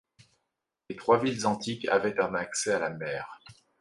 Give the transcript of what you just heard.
Les trois villes antiques avaient un accès à la mer.